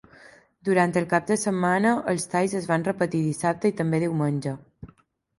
Durant el cap de setmana, els talls es van repetir dissabte i també diumenge.